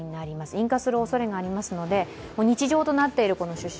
引火するおそれがありますので日常となっている手指